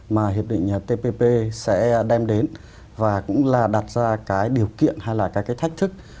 mà hiệp định tpp sẽ đem đến và cũng là đặt ra cái điều kiện hay là các cái thách thức